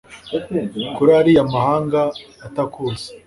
kuri ariya mahanga atakuzi